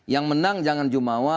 yang menang jangan jumawa